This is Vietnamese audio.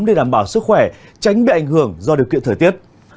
để đảm bảo sức khỏe tránh bị ảnh hưởng do điều kiện thời tiết